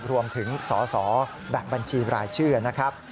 รวมถึงสอสอแบบบัญชีรายชื่อนะครับ